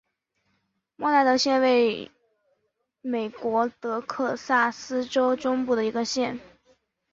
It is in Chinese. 默纳德县位美国德克萨斯州中部的一个县。